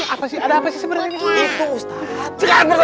sekarang perempuan syetra pak ustadz